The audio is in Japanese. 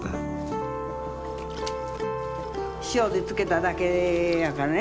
塩で漬けただけやからね。